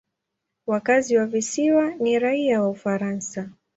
Wakazi wa visiwa ni raia wa Ufaransa.